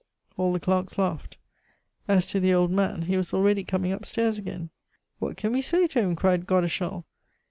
All the clerks laughed. As to the old man, he was already coming upstairs again. "What can we say to him?" cried Godeschal.